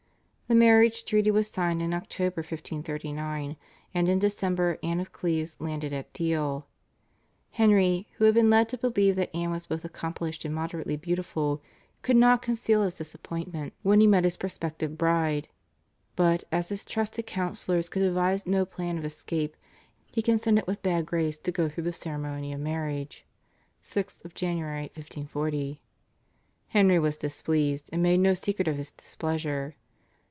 The marriage treaty was signed in October 1539, and in December Anne of Cleves landed at Deal. Henry, who had been led to believe that Anne was both accomplished and moderately beautiful, could not conceal his disappointment when he met his prospective bride; but, as his trusted counsellors could devise no plan of escape, he consented with bad grace to go through the ceremony of marriage (6th Jan., 1540). Henry was displeased and made no secret of his displeasure.